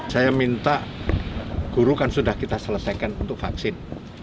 saya minta guru kan sudah kita selesaikan untuk vaksin